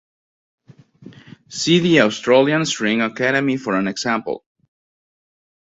See the Australian String Academy for an example.